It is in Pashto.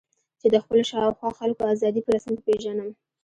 چې د خپلو شا او خوا خلکو آزادي په رسمیت وپېژنم.